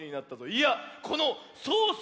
いやこのソース